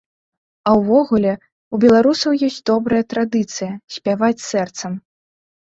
А ўвогуле, у беларусаў ёсць добрая традыцыя спяваць сэрцам.